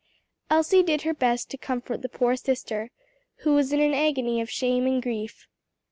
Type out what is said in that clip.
Elsie did her best to comfort the poor sister, who was in an agony of shame and grief.